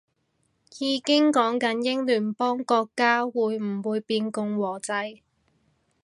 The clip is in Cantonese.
已經講緊英聯邦國家會唔會變共和制